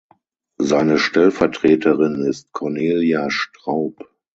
Seine Stellvertreterin ist Cornelia Straub.